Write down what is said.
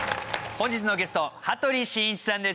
本日のゲスト羽鳥慎一さんです。